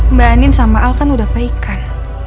mbak anin sama al kan udah baik kan